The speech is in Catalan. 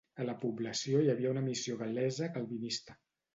A la població hi havia una missió gal·lesa calvinista.